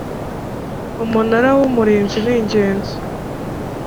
Umunara w’ Umurinzi ningenzi.